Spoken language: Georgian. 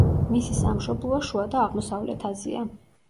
მისი სამშობლოა შუა და აღმოსავლეთ აზია.